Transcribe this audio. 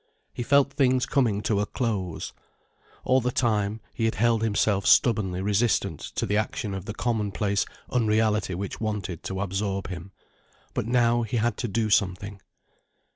He felt things coming to a close. All the time, he had held himself stubbornly resistant to the action of the commonplace unreality which wanted to absorb him. But now he had to do something.